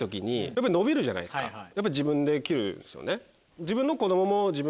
自分で切るんですよね。